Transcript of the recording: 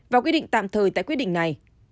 và quy định tạm thời tại quy định này